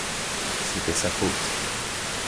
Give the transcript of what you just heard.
C’était sa faute.